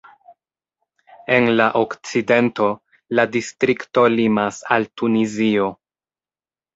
En la okcidento la distrikto limas al Tunizio.